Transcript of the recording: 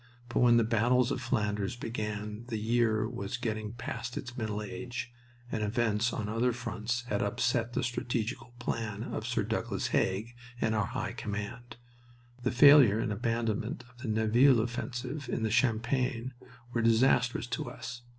But when the battles of Flanders began the year was getting past its middle age, and events on other fronts had upset the strategical plan of Sir Douglas Haig and our High Command. The failure and abandonment of the Nivelle offensive in the Champagne were disastrous to us.